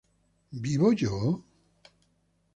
¿vivo yo?